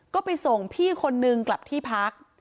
ก็ไปส่งพี่คนนึงกลับที่พัก